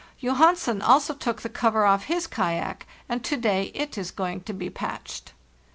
Johansen also took the cover off his kayak, and to day it is going to be patched.